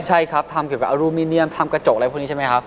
ใช่ครับทำเกี่ยวกับอลูมิเนียมทำกระจกอะไรพวกนี้ใช่ไหมครับ